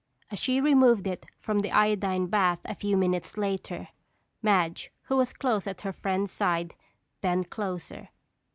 As she removed it from the iodine bath a few minutes later, Madge, who was close at her friend's side, bent closer.